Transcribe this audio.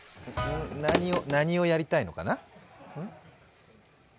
何をやりたいのかな？